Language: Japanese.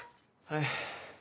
はい。